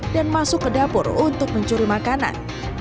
dan masuk ke dapur untuk mencuri makanan